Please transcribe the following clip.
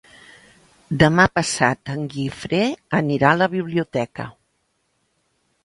Demà passat en Guifré anirà a la biblioteca.